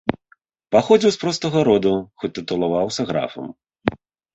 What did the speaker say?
Паходзіў з простага роду, хоць тытулаваўся графам.